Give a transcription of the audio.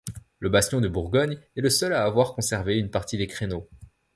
Le bastion de Bourgogne est le seul à avoir conservé une partie des créneaux.